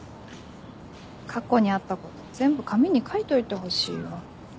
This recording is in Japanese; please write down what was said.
過去にあったこと全部紙に書いといてほしいよ。